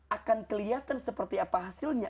akan kelihatan seperti apa hasilnya